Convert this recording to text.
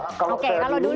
oke kalau dulu